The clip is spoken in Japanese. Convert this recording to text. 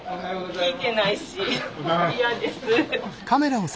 聞いてないし。